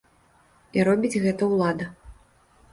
І робіць гэта ўлада.